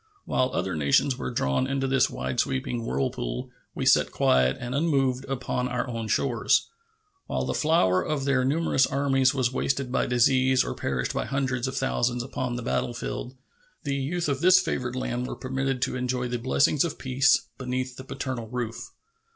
While other nations were drawn into this wide sweeping whirlpool, we sat quiet and unmoved upon our own shores. While the flower of their numerous armies was wasted by disease or perished by hundreds of thousands upon the battlefield, the youth of this favored land were permitted to enjoy the blessings of peace beneath the paternal roof.